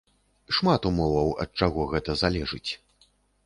Шмат умоваў, ад чаго гэта залежыць.